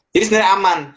jadi sebenernya aman